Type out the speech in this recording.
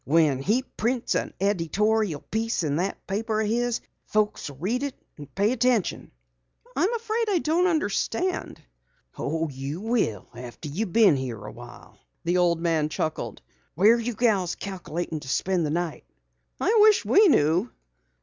When he prints an editorial piece in that paper o' his, folks read it and pay attention." "I'm afraid I don't understand." "You will after you been here awhile," the old man chuckled. "Where you gals calculatin' to spend the night?" "I wish we knew."